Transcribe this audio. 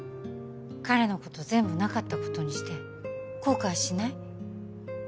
彼のこと全部なかったことにして後悔しない？